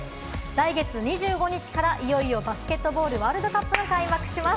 来月２５日からいよいよバスケットボールワールドカップが開幕します。